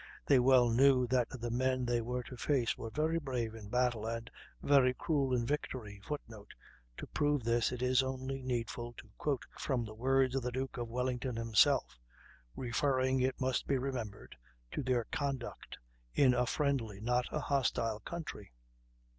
They well knew that the men they were to face were very brave in battle and very cruel in victory [Footnote: To prove this, it is only needful to quote from the words of the Duke of Wellington himself; referring, it must be remembered, to their conduct in a friendly, not a hostile country.